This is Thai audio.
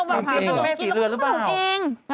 เรามาพาแม่สีเรือนหรือเปล่าทำขนมเองทำไมนะ